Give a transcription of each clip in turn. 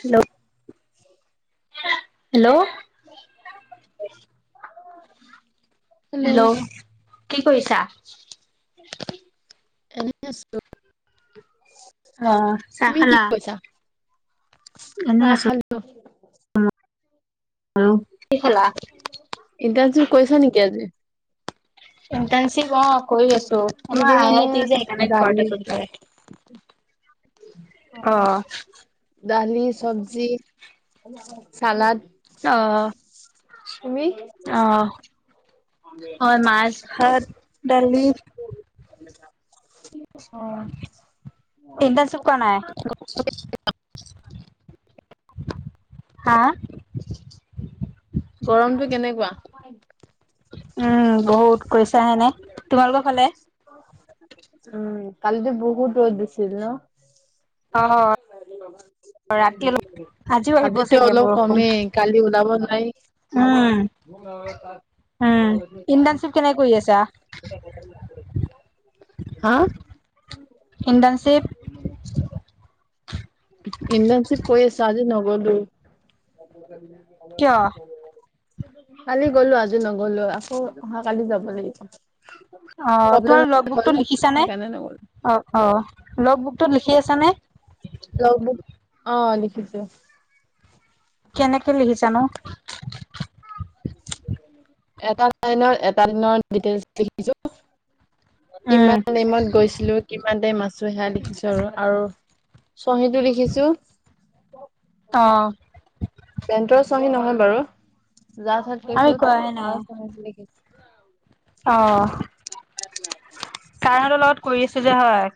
Hello hello hello কি কৰিছা এনে আছোঁ। অ চাহ তুমি কি খালা? কৰিছা এনেই চাহ আছো খালো। [unintelligible] [inaudible] আহ ইণ্টাৰনচিপ কইচা নেকি আজি। ইণ্টাৰনচিপ অ কৰি আছো কি দি আমাৰ আই মানে আই টি যে সেইকাৰণে দালি ঘ [unintelligible] আহ দালি, চবজি, চালাড। আহ তুমি আহ অ মাছ, ভাত, দালি। [unintelligible] ইণ্টাৰ্ণশ্বিপ [inaudible] কৰা নাই? অ হা গৰমটো কেনেকুৱা? উম বহুত কৈছা হেনে তোমালোকৰ ফালে। উম কালি যে বহুত ৰ'দ দিছিল ন। অঁ আজিও আহিব আজিতো চাগে অলপ বৰষুণ। কমেই কালি ওলাব নোৱাৰি। উম [unintelligible] [inaudible] উম ইণ্টাৰনশিপ কেনেকে কৰি আছা। হা [unintelligible] ইণ্টাৰ্ণশিপ উম ইণ্টাৰ্ণশিপ কৰি আছোঁ আজি নগলো। কিয়? কালি গলো আজি নগলো আকৌ অহা কালি যাব লাগিব। অ প্ৰব্লেম তোমাৰ লগ হ'ল বুকতো লিখিছানে? সেইকাৰণে নগলো অ অ লগ বুক ত লিখি আছ নে? [unintelligible] ল বুক অ লিখছো? কেনেকে লিখিছানো? এটানৰ এটা দিনৰ ডিটেইল লিখিছো। উম কিমান টাইমত গৈছিলো, কিমান টাইম আছো সেয়া লিখিছো আৰু আৰু চহীটো লিখিছো। অ চঙি নহয় বাৰু যা চাত আমি গৈছো কৰাই তাৰ চঙ বুলি কৈছো। [unintelligible] আহ ছাৰহতৰ লগত কৰি আছো যে হয়।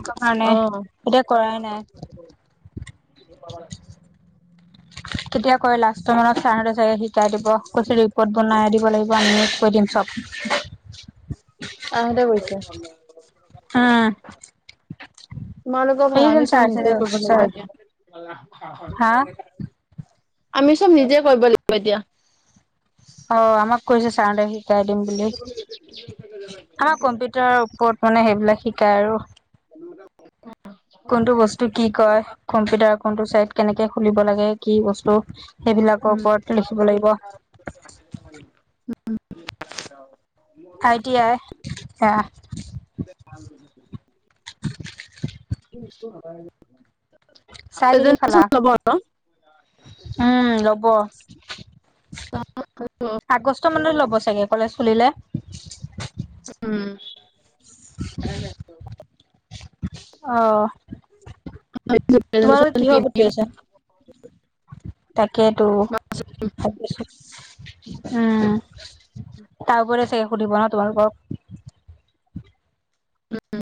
একো কাৰণে অ এতিয়া কৰাই নাই। বুজি পালা নাই। কেতিয়া কয় লাষ্টৰ মানত চাৰতে চাই আহি। [unintelligible] শিকাই দিব কৈছো ৰিপৰ্ট বনাই দিব লাগিব আমি কৈ দিম চব। মা হতে গৈছে। অঁ তোমালোকৰ ভাল এই যে আমি চব চাৰ নিজে যে কৰিব লাগিব চাৰ এতিয়া হা [unintelligible] [inaudible] আমি চব নিজে কৰিব লাগিব এতিয়া। অ আমাক কৈছে চাৰহতে শিকাই দিম বুলি। আমাৰ কম্পিউটাৰ ওপৰত মানে সেইবিলাক শিকায় আৰু। কোনটো বস্তু কি কয়, কম্পিউটাৰ কোনটো চাইড কেনেকে খুলিব লাগে কি বস্তু? [unintelligible] সেইবিলাকৰ উম ওপৰত লিখিব লাগিব। উম আই টি আই উম চাহ কিদি পেছেণ্ডদেচন খালা লব ন। উম লব। আগষ্ট মানত ল'ব চাগে কলেজ খুলিলে। উম [inaudible] আহ ভাবিছো তোমালোকৰ প্ৰেজেন্টেচন কি কিহৰ বুকী দিম আছে? তাকেইটো উম তাৰওপৰত চাগে সুধিব ন তোমালোকক। উম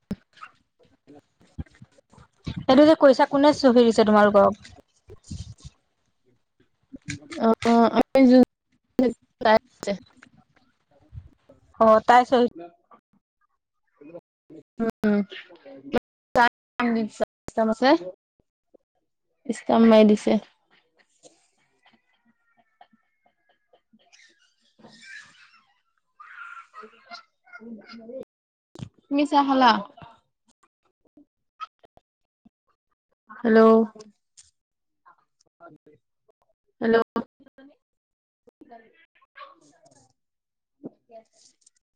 এইটো যে কৈছা কোনে চহি দিছে তোমালোকক। অ আমি তাই অ তাই চ কি [inaudible] উমা [inaudible] ইছতাম মাৰি দিছে। [inaudible] তুমি চাহ খালা? Hello hello [inaudible]